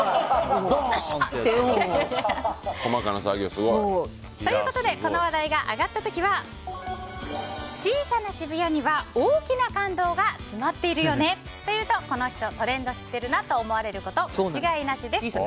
細かな作業、すごい。ということでこの話題が挙がった時は小さな渋谷には大きな感動がつまっているよねと言うと、この人トレンド知ってるなと思われること間違いなしです。